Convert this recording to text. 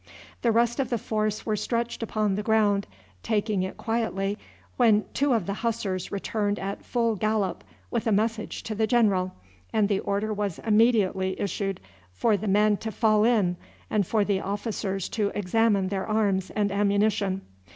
The rest of the force were stretched upon the ground taking it quietly when two of the Hussars returned at full gallop with a message to the general, and the order was immediately issued for the men to fall in and for the officers to examine their arms and ammunition.